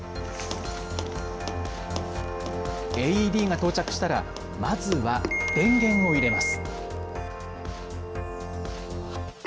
ＡＥＤが到着したらまずは電源を入れます。